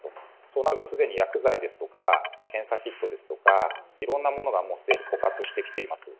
そうなると、すでに薬剤ですとか検査キットですとか、いろんなものがもうすでに枯渇してきています。